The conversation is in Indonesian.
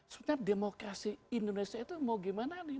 sebenarnya demokrasi indonesia itu mau gimana nih